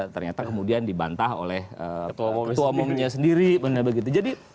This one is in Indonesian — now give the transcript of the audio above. ternyata kemudian dibantah oleh ketua umumnya sendiri begitu